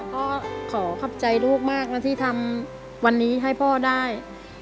ขอขอบใจลูกมากนะที่ทำวันนี้ให้พ่อได้